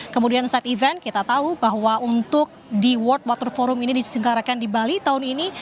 kemudian side event kita tahu bahwa untuk di world water forum ini diselenggarakan di bali tahun ini